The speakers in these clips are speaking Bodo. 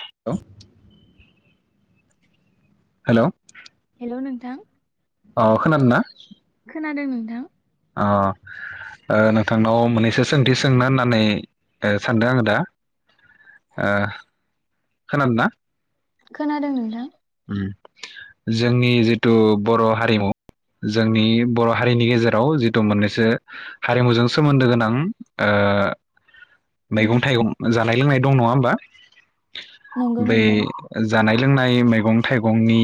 हेलौ हेलौ हेल नोंथां अ खोनादोंना? खोनादों नोंथां? अ ओ नोंथांनाव मोननैसो सोंथि सोंनो होननानै ओ सानदों आङो दा ओ खोनादो ना खोनादों नोंथां उम जोंनि जिथु बर हारिमु जोंनि बर हारिनि गेजेराव जिथु मोननैसो हारिमुजों सोमोन्दो गोनां ओ उम मैगं थाइगं जा जानाय लोंनाय दं नङा होमबा नंगौ बे नोंथां। ज जानाय लोंनाय मैगं थाइगंनि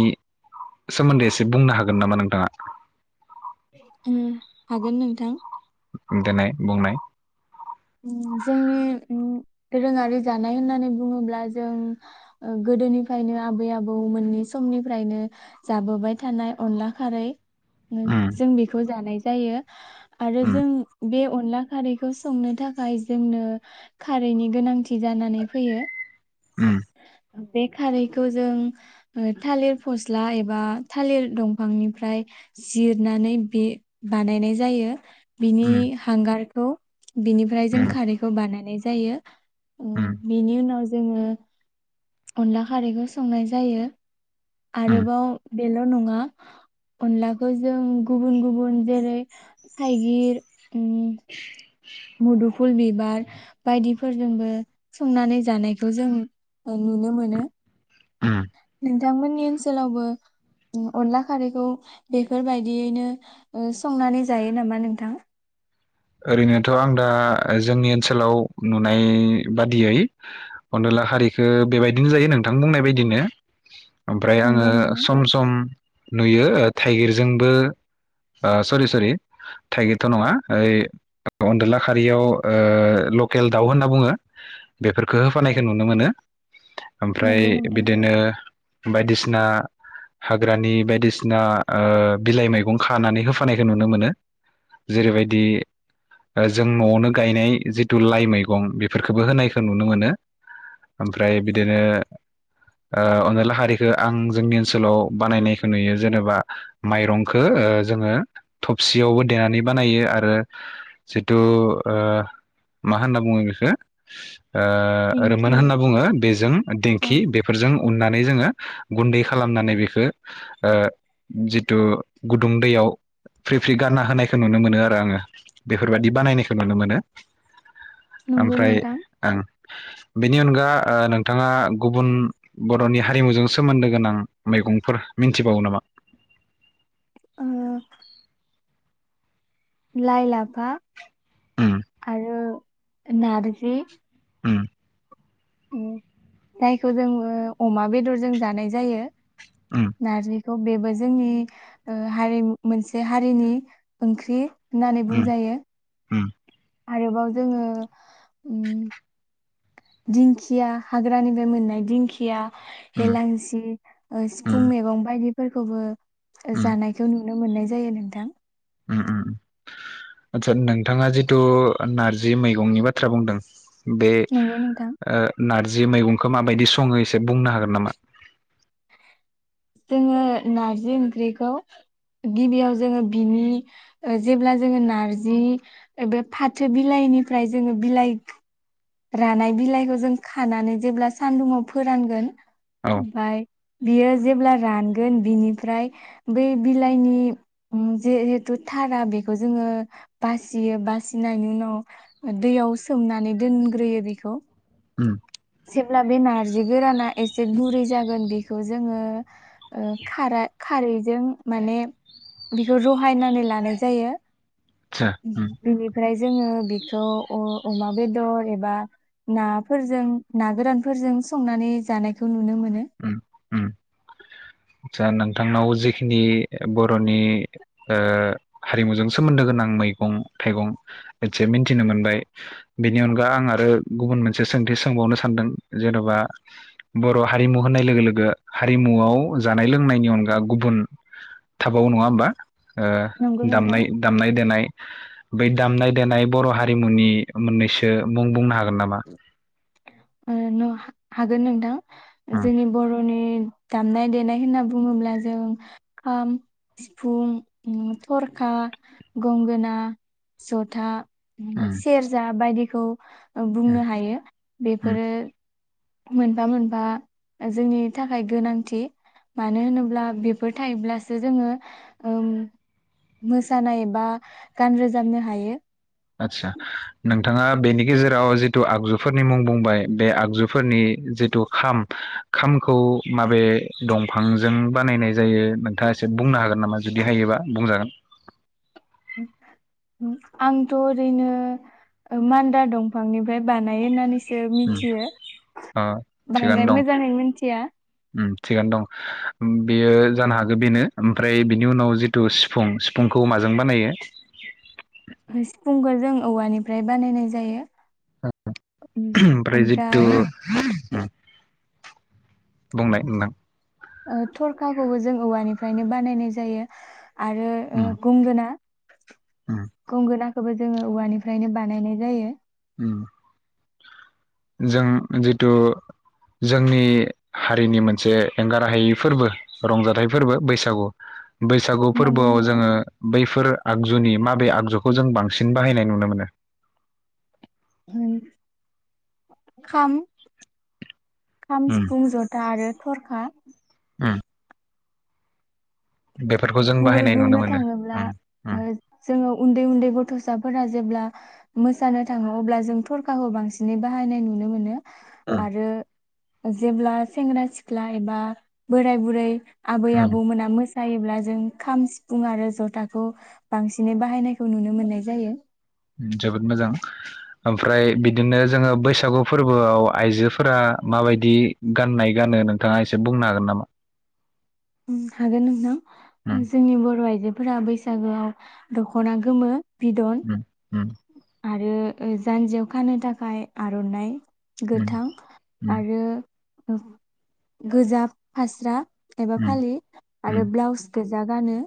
सोमोन्दै एसे बुंनो हागोन नामा नोंथाङा? उम हागोन नोंथां उम देनाय बुंनाय ओ जोंनि दोरोङारि जानाय होननानै बुङोब्ला जों गोदोनिफ्रायनो आबै आबौ मोननै समनिफ्रायनो जाबोबाय थानाय अनला खारै उम जों बेखौ जानाय जायो आरो उम जों बे अनला खारैखौ संनो थाखाय जोंनो खारैनि गोनांथि जानानै फैयो उम बे खारैखौ जों ओ थालिर फस्ला एबा थालिर दंफांनिफ्राय जिरनानै बे बानायनाय जायो बिनि हांगार बिनिफ्राय जों उम खारैखौ बानायनाय जायो उम बिनि उनाव जोङो अनला खारैखौ संनाय जायो उम आरोबाव बेल नङा अनलाखौ जों गुबुन गुबुन जेरै थाइगिर फुल बिबार बायदिफोरजोंबो संनानै जानायखौ जों नुनो मोनो उम नोंथांमोननि ओनसोलावबो अनला खारैखौ बेफोरबायदियैनो संनानै जायो नामा नोंथां ओरैनोथ‌ आं दा जोंनि ओनसोलाव नुनाय बादियै अनदला हारिखो बेबायदिनो जायो नोंथां बुंनाय बायदिनो ओमफ्राय आङो नंगौ नोंथां सम सम नुयो थाइगिरजोंबो सरि सरि थाइगिरथ नङा ओइ अनदला खारियाव लकेल दाउ होनना बुङो बेफोरखौ होफानायखौ नुनो मोनो ओमफ्राय नंगौ नोंथां। बिदिनो बायदिसिना सिना हाग्रानि बायदिसिना बिलाइ मैगं खानानै होफानायखौ नुनो मोनो जेरैबायदि जों नआवनो गायनाय जिथु लाइ मैगं बेफोरखौबो होनायखौ नुनो मोनो ओमफ्राय बिदिनो अनदलाखारिखौ आं जोंनि ओनसोलाव बानायनायखौ नुयो जेनेबा माइरंखौ जोङो थबसियावबो देनानै बानायो आरो जिथु मा होनना बुङो एखौ रोमोन दिंखि होनना बुङो बेजों अ दिेंखि बेफोरजों उननानै जोङो गुन्दै खालामनानै बेखौ जिथु गुदुं दैयाव फ्रि फ्रि गानना होनायखौ नुनो मोनो आरो आङो बेफोरबायाददि बानायनायखौ नुनो मोनो नंगौ ओमफ्राय नोंथां आं बेनि अनगा नोंथाङा गुबुन बरनि हारिमुजों सोमोन्दो गोनां मैगंफोर मिथिबावो नामा ओ लाय लाफा उम आरो नारजि ओम [unintelligible] जायखौ जों अमा बेदरजों जानाय जायो उम नारजि थ बेबो जोंनि ओ हारिमु मोनसे हारिनि ओंख्रि होननानै उम बुंजायो उम आरोबाव जोङो उम दिंखिया हाग्रानिफ्राय मोननाय दिंखिया उम हेेलांसि ओ सिफुं उम मैगं बायदि फोरखौबो उम जानायखौ नु नुनो मोननाय जायो नोंथां उम उम आतसा नोंथाङा जिथु नारजि मैगंनि बाथ्रा बुंदों बे नंगौ नोंथां ओ नारजि मैगं खो माबायदि सङो एसे बुंनो हागोन नामा? जोङो नारजि ओंख्रिखौ गिबियाव जोङो बिनि जेब्ला जोङो नारजि बे फाथो बिलाइनिफ्राय जोङो बिलाइ रानाय बिलाइखौ जों खानानै जेब्ला सानदुङाव फोरानगोन औ बाय बियो जेब्ला रानगोन बिनिफ्राय बै बिलाइनि उम जिहेथु थारा बेखौ जोङो बासियो बासिनायनि उनाव दैयाव सोमनानै दोन ग्रोयो बिखौ उम जेब्ला बे नार्जि गोराना एसे गुरै जागोन बेखौ जोङो ओ खारा खारैजों माने बेखौ रहायनानै लानाय जायो आदसा उम [unintelligible] ओमफ्राय जोङो बेखौ अ अमा बेदर एबा नाफोरजों ना गोरानफोरजों संनानै जानायखौ नुनो मोनो उम उम नोंथांनाव जिखिनि बरनि ओ हारिमुजों सोमोन्दो गोनां मैगं थाइगं मोनसे मिथिनो मोनबाय बेनि अनगा आं आरो गुबुन मोनसे सोंथि सोंबावनो सानदों जेनबा बर हारिमु होननाय लोगो लोगो हारिमुआव जानाय लोंनायनि अनगा गुबुन थाबाव नङा होमबा ओ नंगौ नोंथां दामनाय दामनाय देनाय बै दामनाय देनाय बर हारिमुनि मोननैसो मुं बुंनो हागोन नामा ओ हागोन नोंथां उम जोंनि बरनि दामनाय देनाय होनना बुङोब्ला जों खाम सिफुं थरखा गंगोना जथा उम सेरजा बायदि खौ बुंनो हायो उम उम बेफोरो मोनफा मोनफा जोंनि थाखाय गोनांथि मानो होनोब्ला बेफोर थायोब्लासो जोङो मोसानायबा गान रोजाबनो हायो आतसा नोंथाङा बेनि गेजेराव जिथु आगजुफोरनि मुं बुंबाय बे आगजुफोरनि जिथु खाम खामखौ माबे दंफांजों बानायनाय जायो नोंथाङा एसे बुंनो हागोन नामा जुदि हायोबा बुंजागोन आंथ ओरैनो मान्दा दंफांनिफ्राय बानायो होननानै उम मिथियो अ थिगानो बांद्राय दं मोजाङैनो मिथिया उम थिगानो दं बेयो जानो हागौ बेनो ओमफ्राय बिनि उनाव जिथु सिफुं सिफुंखौ माजों बानायो सिफुंखौ जों औवानिफ्राय बानायनाय जायो। उम [unintelligible] ओमफ्राय जितु उम बुंनाय नोंथां ओ थरखाखौबो जों औवानिफ्रायनो बानायनाय जायो। आरो ओ उम गंगोना उम गंगोना खौबो जोङो औवानिफ्रायनो बानायनाय जायो। उम जों जिथु जोंनि हारिनि मोनसे एंगाराहायै फोरबो रंजाथाइ फोरबो बैसागु बैसागु नंगौ फोरबोआव नोंथां जोङो बैफोर आगजुनि माबे आगजुखौ जों बांसिन बाहायनाय नुनो मोनो? खाम, खाम, उम सिफुं, जथा आरो थरखा उम बेफोरखौ जों गुबै बाहायनाय नुनो बुंनो मोनो। थाङोब्ला उम उम ओ जोङो उन्दै उन्दै गथसाफोरा जेब्ला मोसानो थाङो अब्ला जों थरखाखौ बांसिनै बाहायनाय नुनो मोनो। आरो जेब्ला सेंग्रा सिख्ला एबा बोराय बुरै आबै उम उम आबौमोना मो सायोब्ला जों खाम, सिफुं आरो जथाखौ बांसिनै बाहायनायखौ नुनो मोननाय जायो। जोबोद मोजां ओमफ्राय बिदिनो जोङो बैसागु फोरबोआव आइजोफोर आ माबायदि गाननाय गानो नोंथाङा एसे बुंनो हागोन नामा? उम हागोन नोंथां जोंनि बर आयजो जोफोरा बैसागोआव दखना गोमो बिदन उम उम आरो ओ जान्जियाव खानो थाखाय आरनाइ गोथां आरो गोजा फास्रा एबा फालि आरो ब्लाउस गोजा गानो।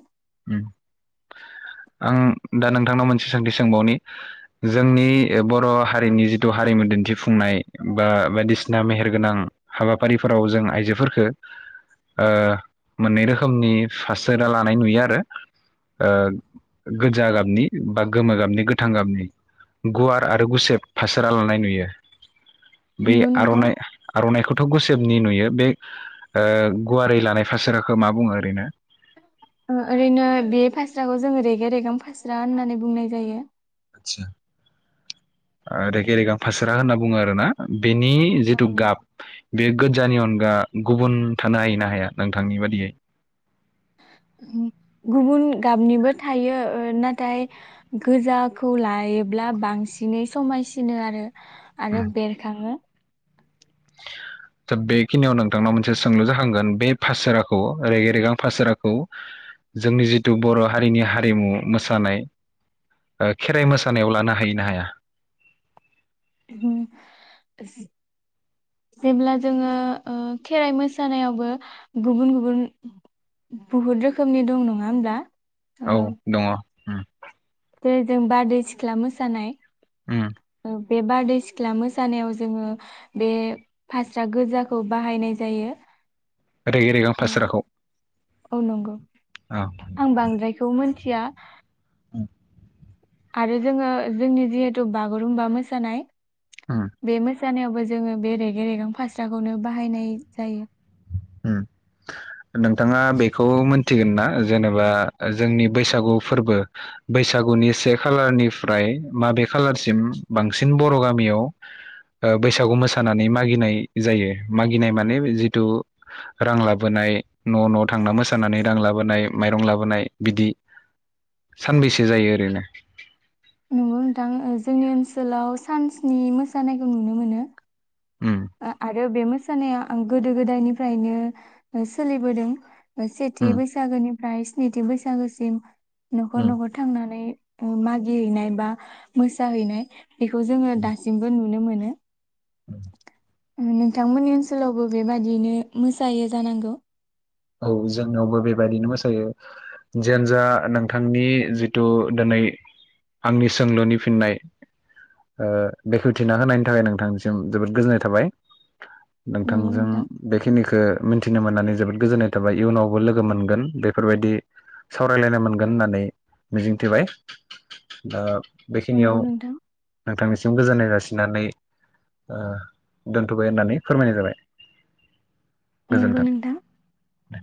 उम। आं दा नोंथांनाव मोनसे सोंथि सोंबावनि जोंनि बर हारिनि जिथु हारिमु दिन्थिफुंनाय बा बायदिसिना मेहेरगोनां हाबाफारिफोराव जों आइजोफोरखो ओ मोननै रोखोमनि फासोरा लानाय नुयो आ रो ओ गोजा गाबनि बा गोमो गाबनि गोथां गाबनि गुवार आरो गुसेब फासारा लानाय नुयो। बे नंगौ नोंथां आरनाइ आरनाइखौ थ गुसेबनि नुयो बे गुवारै लानाय फासाराखौ मा बुङो ओरैनो ओरैनो बे फास्राखौ जोङो रेगे रेगां फास्रा होननानै बुंनाय जायो आदसा ओ रेगे रेगां फासोरा होनना बुङो आरो ना बेनि जितु जायो गाब बे गोजानि अनगा गुबुन थानो हायो ना हाया नोंथांनि बादियै गुबुन गाबनिबो थायो ओ नाथाय गोजाखौ लायोब्ला बांसिनै समायसिनो आरो आरो बेरखाङो थ बेखिनियाव नोंथांनाव मोनसे सोंलु जाखांगोन बे फासोराखौ रेगे रेगां फासोराखौ जोंनि जिथु बर हारिनि हारिमु मोसानाय ओ खेराइ मोसानायाव लानो हायो ना हाया [unintelligible] जेब्ला जोङो ओ खेराइ मोसानायावबो गुबुन गुबुन बहुत रोखोमनि दं नङा होमब्ला औ दङ उम बे जों बारदै सिख्ला मोसानाय उम ओ बे बारदै सिख्ला मोसानायाव जोङो बे फास्रा गोजाखौ बाहायनाय जायो। रेगे रेगां फास्राखौ औ नंगौ आं बांद्रायखौ मिथि या आरो जोङो जोंनि जिहेथु बागुरुमबा मोसानाय। उम बेमोन जानायावबो जोङो बे रेगें रेगें फास्राखौनो बाहायनाय जायो। नोंथाङा बेखौ मोनथिगोन ना जेनेबा जोंनि बैसागु फोरबो उम बैसागुनि से खालारनिफ्राय माबे खालारसिम बांसिन बर गामियाव बैसागु मोसानानै मागिनाय जायो मागिनाय माने जिथु रां लाबोनाय न न थांना मोसानानै रां लाबोनाय माइरं लाबोनाय बिदि सानबैसो जायो ओरैनो नंगौ नोंथां जोंनि ओनसोलाव सानस्नि मोसानायखौ नुनो मोनो। उम आ आरो बे मोसानाया आं गोदो गोदायनिफ्रायनो सोलिबोदों। सेथि उम बैसागोनि ओमफ्राय स्निथि बैसागोसिम नखर उम नखर थांनानै मागिहैनाय बा मोसाहैनाय बेखौ जोङो दासिमबो नुनो मोनो औ नोंथांमोननि ओनसोलावबो बेबादियनो मोसायो जानांगौ औ जोंनावबो बेबायदिनो मोसायो जेनजा नोंथांनि जिथु दिनै आंनि सोंलुनि फिननाय बेखेवथिना होनायनि थाखाय नोंथांसिम जोबोद गोजोननाय थाबाय नंगौ नोंथांजों नोंथां बेखिनिखौ मिथिनो मोननानै जोबोद गोजोननाय। एबा इयुनावबो लोगो मोनगोन बेफोरबायदि सावरायलायनाय मोनगोन होननानै मिजिंथिबाय दा। बेखिनियाव नंगौ नोंथां नोंथांनिसिम गोजोननाय जासिनानै ओ दोनथबाय होननानै फोरमायनाय जाबाय। नंगौ नोंथा। दे।